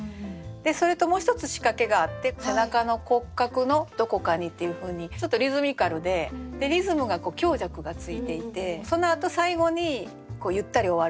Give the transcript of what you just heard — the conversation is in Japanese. でそれともう１つ仕掛けがあって「背中の骨格のどこかに」っていうふうにちょっとリズミカルでリズムが強弱がついていてそのあと最後にゆったり終わるっていう。